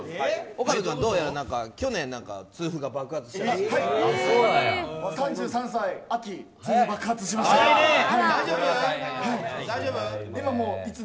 岡部君はどうやら去年痛風が爆発したそうで。